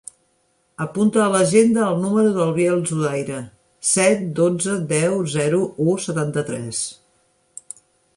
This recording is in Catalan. Apunta a l'agenda el número del Biel Zudaire: set, dotze, deu, zero, u, setanta-tres.